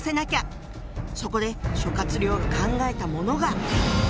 そこで諸亮が考えたものが。